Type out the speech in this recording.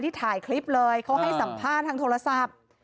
ถ่ายคลิปเลยเขาให้สัมภาษณ์ทางโทรศัพท์